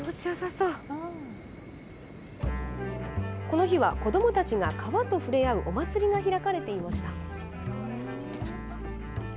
この日は、子どもたちが川と触れ合うお祭りが開かれていました。